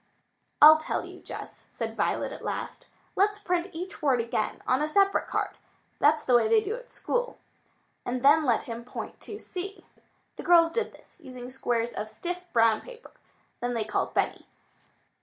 "I'll tell you, Jess," said Violet at last. "Let's print each word again on a separate card. That's the way they do at school. And then let him point to see." The girls did this, using squares of stiff brown paper. Then they called Benny.